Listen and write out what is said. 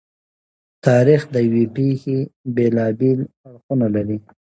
تاریخ د یوې پېښې بېلابېلې اړخونه لري.